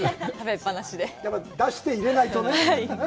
出して、入れないとね。